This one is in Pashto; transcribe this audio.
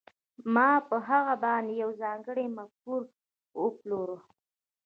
ما په هغه باندې یوه ځانګړې مفکوره وپلورله